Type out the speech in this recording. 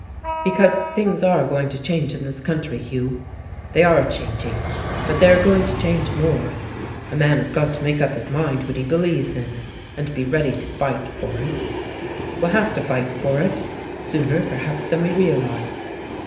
"Because things are going to change in this country, Hugh. They are changing, but they are going to change more. A man has got to make up his mind what he believes in, and be ready to fight for it. We'll have to fight for it, sooner perhaps than we realize.